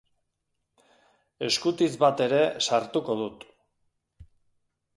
Eskutitz bat ere sartuko dut.